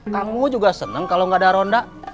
kamu juga seneng kalau gak ada ronda